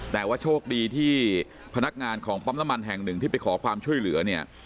แต่ว่าโชคดีที่พนักงานของปั๊มน้ำมันแห่งหนึ่งที่ไปขอความช่วยเหลือเนี่ย